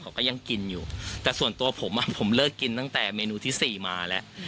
เขาก็ยังกินอยู่แต่ส่วนตัวผมผมเลิกกินตั้งแต่เมนูที่สี่มาแล้ว